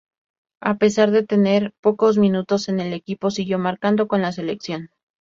A pesar de tener pocos minutos en el equipo siguió marcando con la selección.